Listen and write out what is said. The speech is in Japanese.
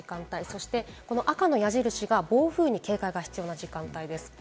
そして、赤の矢印が暴風に警戒が必要な時間帯です。